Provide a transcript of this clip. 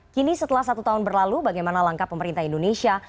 kini setelah satu tahun berlalu bagaimana langkah pemerintah indonesia